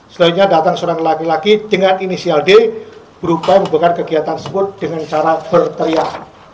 selanjutnya datang seorang laki laki dengan inisial d berupa membukar kegiatan sebut dengan cara berteriak